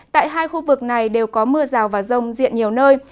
tại hai khu vực này đều có mưa rào và rông diện nhiều nơi